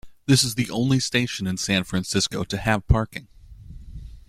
This is the only station in San Francisco to have parking.